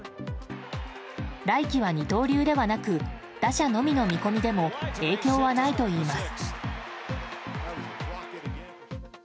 来期は二刀流ではなく打者のみの見込みでも影響はないといいます。